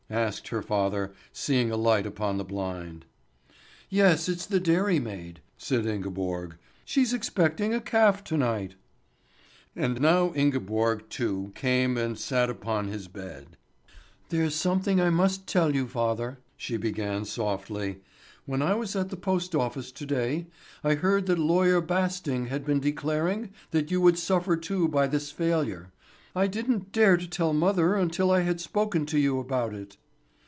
asked her father, seeing a light upon the blind. "Yes, it's the dairymaid," said Ingeborg; "she's expecting a calf to night." And now Ingeborg too came and upon sat his bed. "There's something I must tell you, father," she began softly. "When I was at the post office to day, I heard that Lawyer Basting had been declaring that you would suffer too by this failure. I didn't dare to tell mother until I had spoken to you about it."